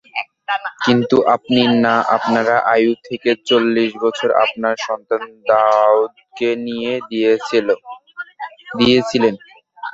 কিন্তু আপনি না আপনার আয়ু থেকে চল্লিশ বছর আপনার সন্তান দাউদকে দিয়ে দিয়েছিলেন।